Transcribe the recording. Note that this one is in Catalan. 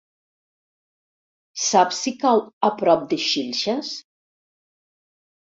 Saps si cau a prop de Xilxes?